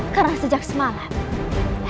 karena sejak semalam